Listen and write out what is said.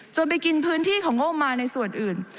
ไปกินพื้นที่ของงบมาในส่วนอื่น